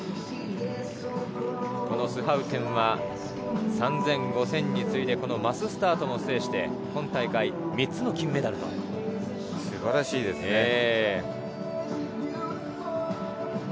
このスハウテンは３０００、５０００に次いでマススタートも制して、今大会３つの金メダル。素晴らしいですね。